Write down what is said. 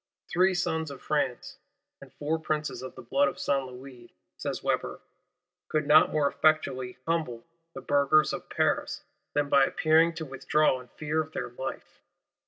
"Three Sons of France, and four Princes of the blood of Saint Louis," says Weber, "could not more effectually humble the Burghers of Paris than by appearing to withdraw in fear of their life."